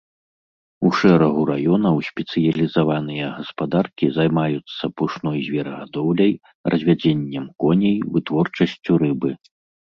У шэрагу раёнаў спецыялізаваныя гаспадаркі займаюцца пушной зверагадоўляй, развядзеннем коней, вытворчасцю рыбы.